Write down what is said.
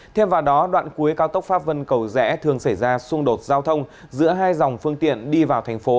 thêm vào đó đoạn cuối cao tốc pháp vân cầu rẽ thường xảy ra xung đột giao thông giữa hai dòng phương tiện đi vào thành phố